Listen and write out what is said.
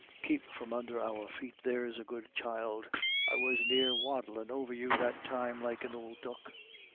keep from under our feet, there's a good child ; I was near waddlin' over you that time Kke an ould duck."